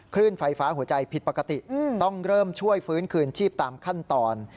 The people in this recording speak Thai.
ขึ้นไฟฟ้าหัวใจผิดปกติต้องเริ่มช่วยฟื้นคืนชีพตามขั้นตอน